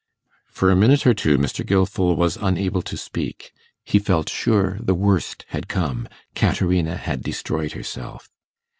For a minute or two Mr. Gilfil was unable to speak. He felt sure the worst had come: Caterina had destroyed herself.